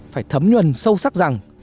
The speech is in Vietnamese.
phải thấm nhuần sâu sắc rằng